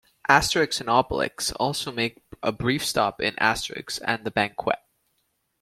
Asterix and Obelix also make a brief stop in "Asterix and the Banquet".